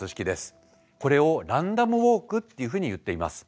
これをランダムウォークっていうふうにいっています。